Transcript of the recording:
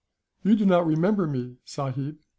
"You do not remember me, sahib?"